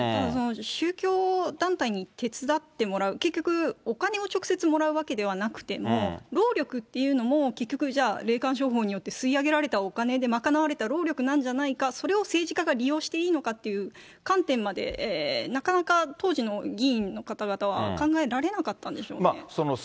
宗教団体に手伝ってもらう、結局お金を直接もらうわけではなくても、労力っていうのも、結局じゃあ、霊感商法によって吸い上げられたお金で賄われた労力なんじゃないか、それを政治家が利用していいのかっていう観点までなかなか当時の議員の方々は考えられなかったんでしょうね。